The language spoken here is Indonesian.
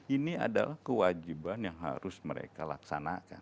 ini adalah kewajiban yang harus mereka laksanakan